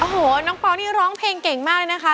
โอ้โหน้องเปล่านี่ร้องเพลงเก่งมากเลยนะคะ